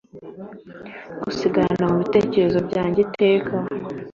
Ngusigarana mubitekerezo byanjye iteka